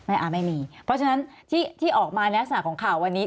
ไม่มีเพราะฉะนั้นที่ออกมาในลักษณะของข่าววันนี้